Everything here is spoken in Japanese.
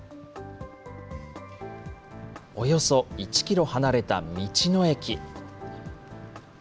およそ１キロ離れた道の駅。